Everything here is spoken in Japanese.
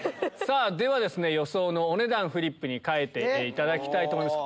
では予想のお値段フリップに書いていただきたいと思います。